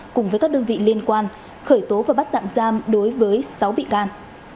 cùng với các đơn vị liên quan khởi tố và bắt tạm giam đối với sáu bị can